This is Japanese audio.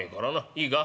いいか？